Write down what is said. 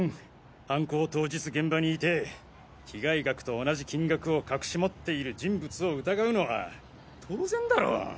犯行当日現場にいて被害額と同じ金額を隠し持っている人物を疑うのは当然だろ？